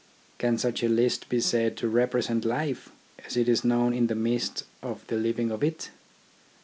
Can such a list be said to represent Life, as it is known in the midst of the living of it